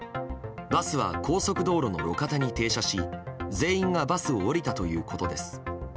バスは高速道路の路肩に停車し全員がバスを降りたということです。